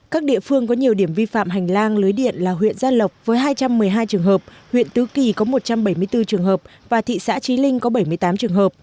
các địa phương có nhiều điểm vi phạm hành lang lưới điện là huyện gia lộc với hai trăm một mươi hai trường hợp huyện tứ kỳ có một trăm bảy mươi bốn trường hợp và thị xã trí linh có bảy mươi tám trường hợp